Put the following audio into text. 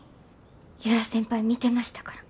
由良先輩見てましたから。